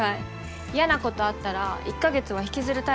嫌なことあったら１カ月は引きずるタイプだったじゃん。